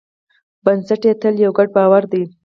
بنسټ یې تل یو ګډ باور دی.